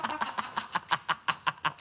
ハハハ